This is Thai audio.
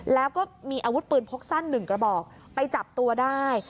แล้วก็มีอาวุธปืนพกสั้นหนึ่งกระบอกไปจับตัวได้